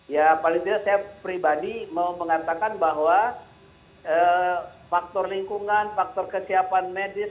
ya paling tidak saya pribadi mau mengatakan bahwa faktor lingkungan faktor kesiapan medis